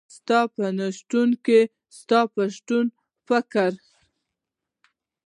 ستا په نشتون کي ستا د شتون فکر